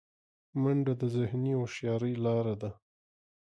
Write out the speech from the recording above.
منډه د ذهني هوښیارۍ لاره ده